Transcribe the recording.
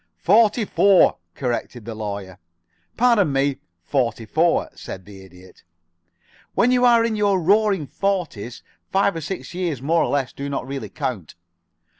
"Forty four," corrected the Lawyer. "Pardon me forty four," said the Idiot. "When you are in the roaring forties, five or six years more or less do not really count.